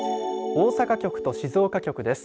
大阪局と静岡局です。